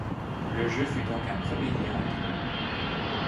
Le jeu fut donc un premier lien entre eux.